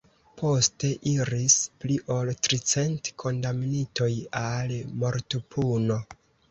Poste iris pli ol tricent kondamnitoj al mortpuno.